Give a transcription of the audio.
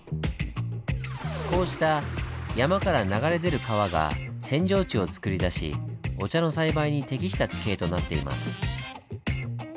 こうした山から流れ出る川が扇状地をつくり出しお茶の栽培に適した地形となっています。